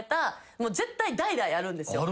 絶対代々あるんですよ。